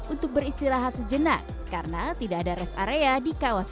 untuk beristilahat sejenak karena tidak ada rest area di kota puncak javanah dan juga di kota javanah